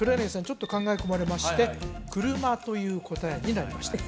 ちょっと考え込まれまして車という答えになりました